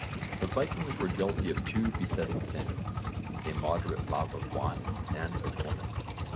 The Vikings were guilty of two besetting sins immoderate love of wine and of women.